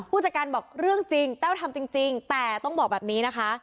ผู้จัดการบอกเรื่องจริงแต้วทำจริงแต่ต้องบอกแบบนี้นะคะ